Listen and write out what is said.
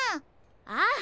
ああ。